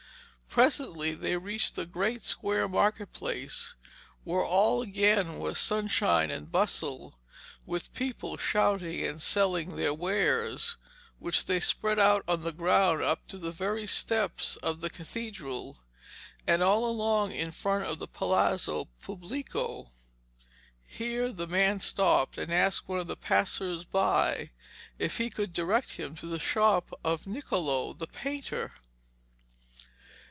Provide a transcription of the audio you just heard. Presently they reached the great square market place, where all again was sunshine and bustle, with people shouting and selling their wares, which they spread out on the ground up to the very steps of the cathedral and all along in front of the Palazzo Publico. Here the man stopped, and asked one of the passers by if he could direct him to the shop of Niccolo the painter.